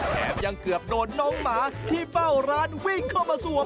ยังเกือบโดนน้องหมาที่เฝ้าร้านวิ่งเข้ามาสวม